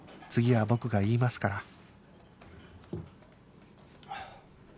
次は僕が言いますから